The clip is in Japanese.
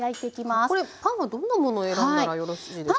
これパンはどんなものを選んだらよろしいですか？